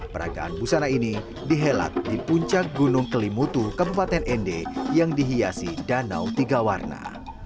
peragaan busana ini dihelat di puncak gunung kelimutu kabupaten ende yang dihiasi danau tiga warna